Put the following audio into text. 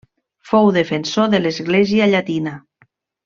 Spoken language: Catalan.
Fou defensor de l'església llatina.